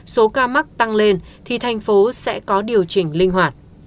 số ca mắc tăng lên thì thành phố sẽ có điều chỉnh linh hoạt